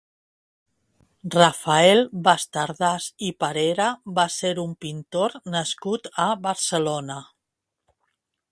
Rafael Bastardas i Parera va ser un pintor nascut a Barcelona.